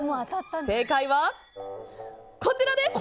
正解はこちらです！